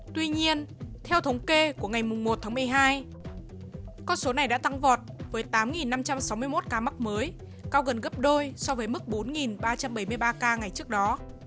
tuy nhiên theo thống kê của ngày một tháng một mươi hai con số này đã tăng vọt với tám năm trăm sáu mươi một ca mắc mới cao gần gấp đôi so với mức bốn ba trăm bảy mươi ba ca ngày trước đó